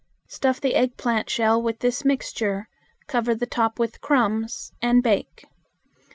Stuff the eggplant shell with this mixture, cover the top with crumbs, and bake.